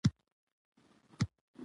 حکومت د خلکو پر وړاندې مسوولیت لري